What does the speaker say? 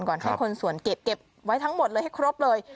ก่อนให้คนส่วนเก็บไว้ทั้งหมดเลยให้ครบเลย